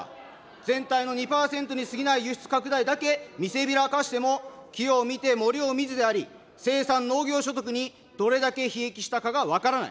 全体の２％にすぎない輸出拡大だけ見せびらかしても、木を見て森を見ずであり、生産農業所得にどれだけひ益したかが分からない。